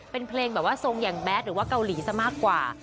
เป็นเพลงแบบว่าทรงอย่างแบทหรือว่าเกาหลีซะมากกว่า